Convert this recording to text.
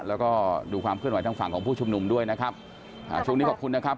แล้วก็ดูความเคลื่อนไหวทางฝั่งของผู้ชุมนุมด้วยนะครับอ่าช่วงนี้ขอบคุณนะครับ